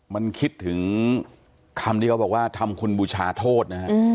มันคิดถึงคำที่เขาบอกว่าทำคุณบูชาโทษนะฮะ